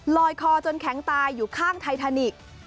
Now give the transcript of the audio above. คอจนแข็งตายอยู่ข้างไททานิกส์